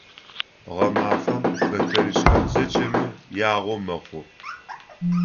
Гъэмафэм хэтэрыкӀхэм зэкӀэми ягъо мэхъу.